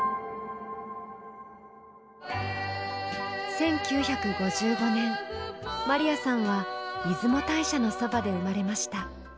１９５５年まりやさんは出雲大社のそばで生まれました。